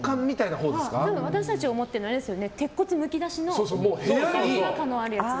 私たちが思ってるのは鉄骨むき出しの部屋の中にあるやつだ。